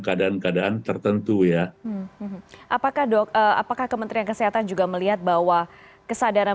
keadaan keadaan tertentu ya apakah dok apakah kementerian kesehatan juga melihat bahwa kesadaran